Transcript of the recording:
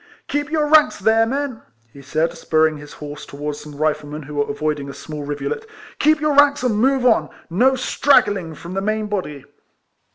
"Keep your ranks there, men!" he said, spurring his horse towards some Riflemen who were avoiding a small rivulet. " Keep your ranks and move on, — no straggling from the main body."